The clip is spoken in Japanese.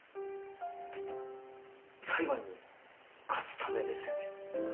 裁判に勝つためですよね。